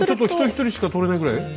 ちょっと人１人しか通れないぐらい？